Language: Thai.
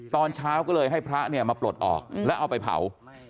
ตอนเช้าก็เลยให้พระเนี่ยมาปลดออกแล้วเอาไปเผา